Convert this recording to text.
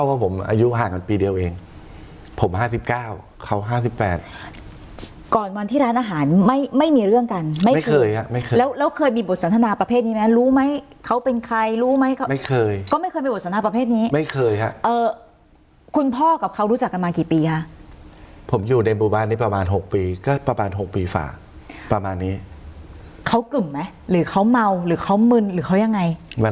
เรื่องกันไม่เคยฮะไม่เคยแล้วแล้วเคยมีบทสันทนาประเภทนี้ไหมรู้ไหมเขาเป็นใครรู้ไหมเขาไม่เคยก็ไม่เคยมีบทสันทนาประเภทนี้ไม่เคยฮะเอ่อคุณพ่อกับเขารู้จักกันมากี่ปีฮะผมอยู่ในบุตรบ้านนี้ประมาณหกปีก็ประมาณหกปีฝ่าประมาณนี้เขากึ่มไหมหรือเขาเมาหรือเขามึนหรือเขายังไงวัน